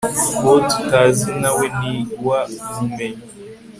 uwo tutazi nawe ntiwa mumenya